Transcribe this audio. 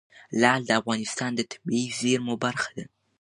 لعل د افغانستان د طبیعي زیرمو برخه ده.